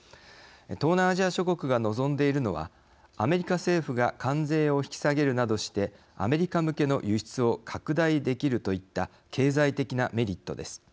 東南アジア諸国が望んでいるのはアメリカ政府が関税を引き下げるなどしてアメリカ向けの輸出を拡大できるといった経済的なメリットです。